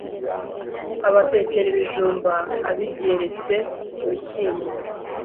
akabatekera ibijumba abigeretse ku bishyimbo.